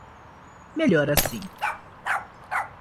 Melhor assim.